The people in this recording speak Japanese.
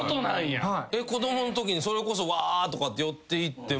子供のときにそれこそわぁとかって寄っていっても。